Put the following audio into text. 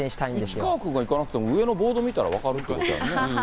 市川君が行かなくても、上のボード見たら分かるやんね。